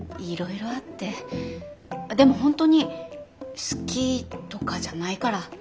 でも本当に好きとかじゃないから。